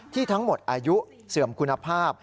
ทั้งหมดอายุเสื่อมคุณภาพ